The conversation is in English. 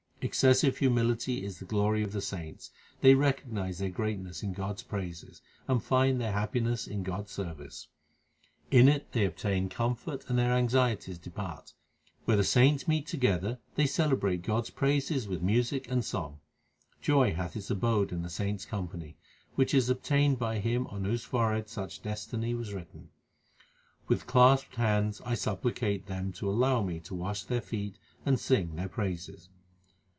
Excessive humility is the glory of the saints ; They recognize their greatness in God s praises, And find their happiness in God s service. In it they obtain comfort and their anxieties depart. Where the saints meet together, They celebrate God s praises with music and song. Joy hath its abode in the saints company, Which is obtained by him on whose forehead such destiny was written. With clasped hands I supplicate them To allow me to wash their feet and sing their praises.